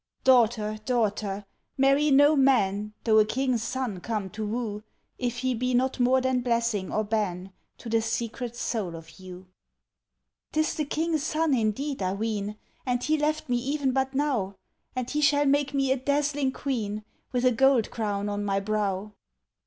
"Daughter, daughter, marry no man, Though a king's son come to woo, If he be not more than blessing or ban To the secret soul of you." "'Tis the King's son, indeed, I ween, And he left me even but now, And he shall make me a dazzling queen, With a gold crown on my brow."